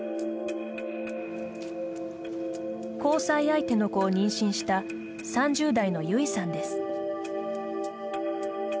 交際相手の子を妊娠した３０代のゆいさんです。